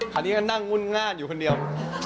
คันนี้ก็นั่งงุ่นง่านอยู่คนเดียว